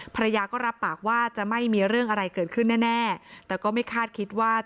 ภรรยาก็รับปากว่าจะไม่มีเรื่องอะไรเกิดขึ้นแน่แต่ก็ไม่คาดคิดว่า